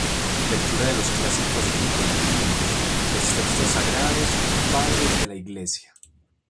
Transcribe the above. Lectura de los clásicos grecolatinos, los textos sagrados y padres de la Iglesia.